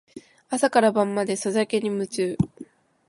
朝から晩までソシャゲに夢中